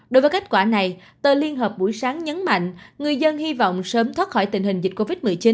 đối với kết quả này tờ liên hợp buổi sáng nhấn mạnh người dân hy vọng sớm thoát khỏi tình hình dịch covid một mươi chín